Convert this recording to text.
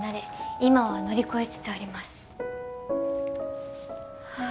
「今は乗り越えつつあります」はあ